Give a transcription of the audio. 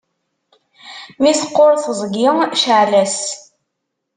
Mi teqquṛ teẓgi, cɛel-as!